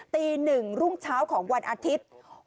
ตี๑รุ่งเช้าของวันอาทิตย์